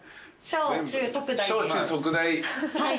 小中特大。